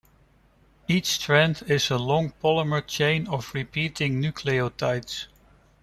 Each strand is a long polymer chain of repeating nucleotides.